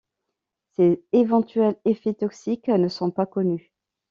Ses éventuels effets toxiques ne sont pas connus.